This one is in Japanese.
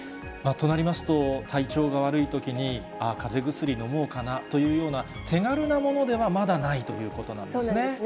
となりますと、体調が悪いときに、ああ、かぜ薬飲もうかなというような手軽なものでは、まだないというこそうなんですね。